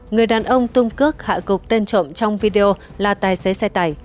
người đàn ông tung cước hạ gục tên trộm trong video là tài xế xe tải